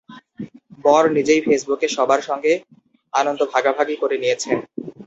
বর নিজেই ফেসবুকে সবার সঙ্গে আনন্দ ভাগাভাগি করে নিয়েছেন।